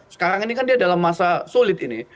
sekarang ini kan dia dalam masa sulit ini